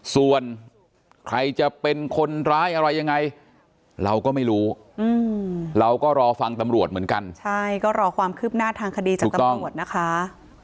ส่วนใครจะเป็นคนร้ายอะไรยังไงเราก็ไม่รู้เราก็รอฟังตำรวจเหมือนกันใช่ก็รอความคืบหน้าทางคดีจากตำรวจนะคะ